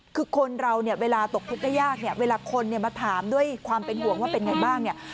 คือคนเราเนี่ยเวลาตกทุกข์ได้ยากเนี่ยเวลาคนเนี่ยมาถามด้วยความเป็นห่วงว่าเป็นไงบ้างเนี่ย